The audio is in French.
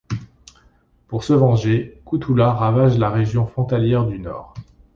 Pour se venger, Koutoula ravage la région frontalière du nord.